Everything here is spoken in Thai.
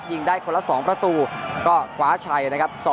ยิงได้คนละ๒ประตูก็คว้าชัยนะครับ